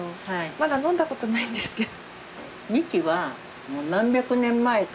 まだ飲んだことないんですけど。